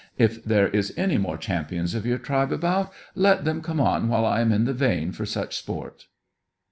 If there are any more champions of your tribe about, let them come on while I am in the vein for such sport."